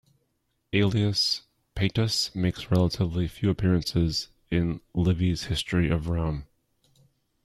Aelius Paetus makes relatively few appearances in Livy's History of Rome.